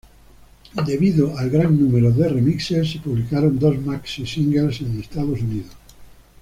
Debido al gran número de remixes, se publicaron dos maxi singles en Estados Unidos.